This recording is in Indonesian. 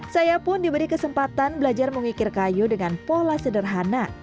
saya pun diberi kesempatan belajar mengikir kayu dengan pola sederhana